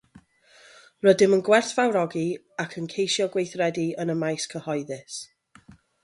Rydym yn gwerthfawrogi ac yn ceisio gweithredu yn y maes cyhoeddus.